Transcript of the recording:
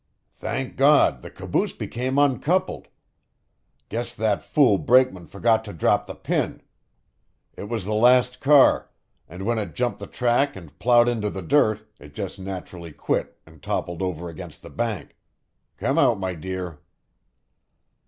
"Thank God, the caboose became uncoupled guess that fool brakeman forgot to drop the pin; it was the last car, and when it jumped the track and plowed into the dirt, it just naturally quit and toppled over against the bank. Come out, my dear."